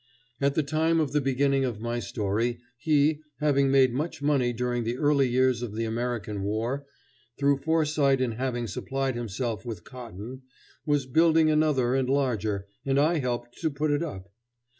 At the time of the beginning of my story, he, having made much money during the early years of the American war through foresight in having supplied himself with cotton, was building another and larger, and I helped to put it up.